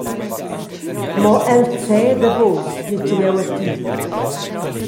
Mo el ceda buca, ditgel jeu a ti.